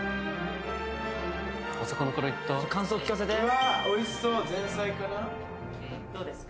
お魚からいった感想聞かせてうわっおいしそう前菜かなどうですか？